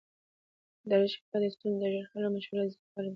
اداري شفافیت د ستونزو د ژر حل او مشروعیت د زیاتوالي وسیله ده